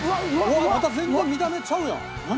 また全然見た目ちゃうやん。